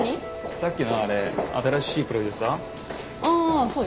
さっきのあれ新しいプロデューサー？